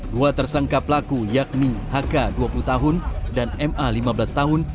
dua tersangka pelaku yakni hk dua puluh tahun dan ma lima belas tahun